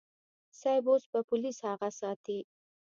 صيب اوس به پوليس اغه ساتي.